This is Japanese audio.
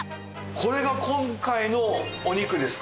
これが今回のお肉ですか？